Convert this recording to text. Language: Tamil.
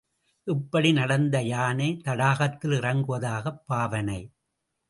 இப்படி நடந்த யானை தடாகத்தில் இறங்குவதாகப் பாவனை.